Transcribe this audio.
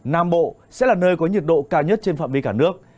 nam bộ sẽ là nơi có nhiệt độ cao nhất trên phạm vi cả nước